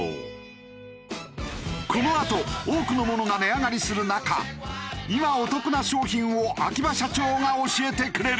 このあと多くのものが値上がりする中今お得な商品を秋葉社長が教えてくれる！